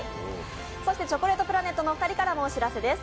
そしてチョコレートプラネットのお二人からもお知らせです。